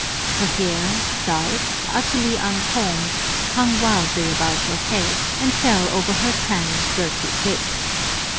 Her hair, dark, utterly un combed, hung wildly about her head, and fell over her tanned, dirty face.